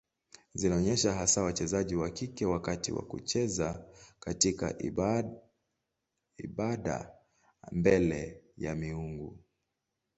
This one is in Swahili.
Zinaonyesha hasa wachezaji wa kike wakati wa kucheza katika ibada mbele ya miungu.